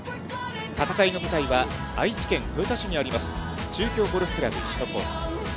戦いの舞台は、愛知県豊田市にあります、中京ゴルフ倶楽部石野コース。